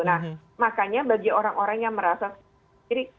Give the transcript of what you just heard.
nah makanya bagi orang orang yang merasa sendiri